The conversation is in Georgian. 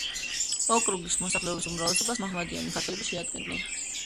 ოკრუგის მოსახლეობის უმრავლესობას მაჰმადიანი ქართველები შეადგენდნენ.